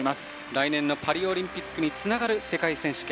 来年のパリオリンピックにつながる世界選手権。